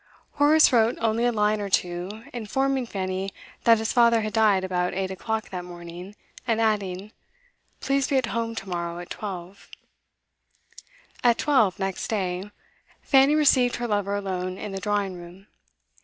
Horace wrote only a line or two, informing Fanny that his father had died about eight o'clock that morning, and adding: 'Please be at home to morrow at twelve.' At twelve next day Fanny received her lover alone in the drawing room.